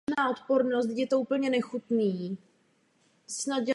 Konečnou podobu stanov určil rabi Löw.